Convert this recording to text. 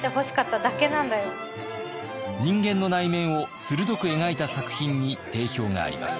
人間の内面を鋭く描いた作品に定評があります。